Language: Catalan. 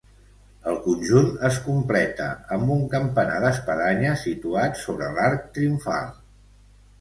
El conjunt es completa amb un campanar d'espadanya situat sobre l'arc triomfal.